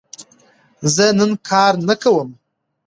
زه نن کار نه کوم.